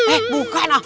eh bukan ah